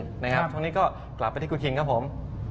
ช่วงนี้ก็กลับไปที่คุณคิงครับผม